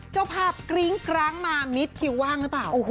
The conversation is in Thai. เจ้าภาพกริ้งกร้างมามิดคิวว่างหรือเปล่า